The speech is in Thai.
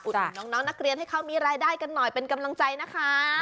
ถึงน้องนักเรียนให้เขามีรายได้กันหน่อยเป็นกำลังใจนะคะ